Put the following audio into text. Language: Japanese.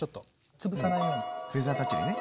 つぶさないようにフェザータッチでね。